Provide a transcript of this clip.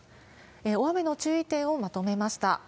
大雨の注意点をまとめました。